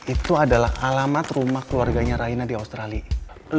itu adalah alamat rumah keluarganya raina di australia